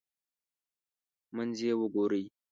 منځ یې وګورئ.